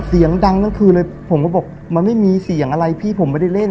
เสียงดังทั้งคืนเลยผมก็บอกมันไม่มีเสียงอะไรพี่ผมไม่ได้เล่น